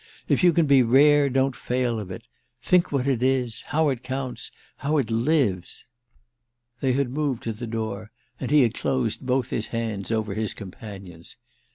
If you can be rare don't fail of it! Think what it is—how it counts—how it lives!" They had moved to the door and he had closed both his hands over his companion's.